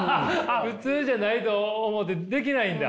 普通じゃないと思ってできないんだ？